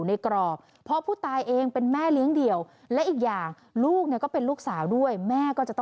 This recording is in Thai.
นี่คือทางด้านของอีกคนนึงบ้างค่ะคุณผู้ชมค่ะ